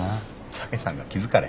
武さんが気疲れ？